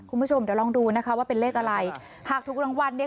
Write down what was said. คุณผู้ชมเดี๋ยวลองดูนะคะว่าเป็นเลขอะไรหากถูกรางวัลเนี่ย